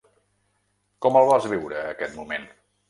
Com el vas viure, aquest moment?